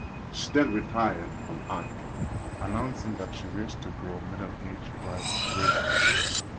She then retired from acting, announcing that she "wished to grow middle-aged gracefully".